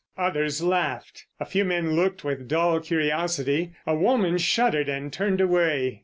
Others laughed. A few men looked with dull curiosity. A woman shuddered and turned away.